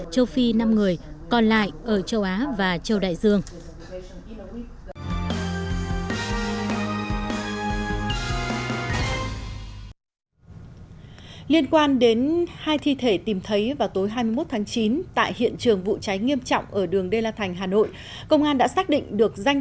châu phi năm người còn lại ở châu á và châu đại dương